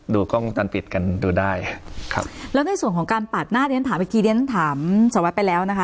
กล้องจันปิดกันดูได้ครับแล้วในส่วนของการปาดหน้าเรียนถามเมื่อกี้เดี๋ยวฉันถามสารวัตรไปแล้วนะคะ